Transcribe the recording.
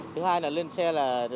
thứ hai là lên xe là